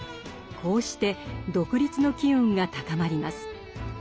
こうして独立の機運が高まります。